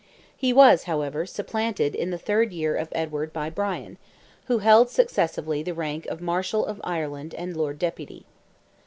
He was, however, supplanted in the third year of Edward by Bryan, who held successively the rank of Marshal of Ireland and Lord Deputy.